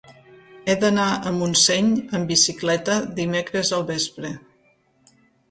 He d'anar a Montseny amb bicicleta dimecres al vespre.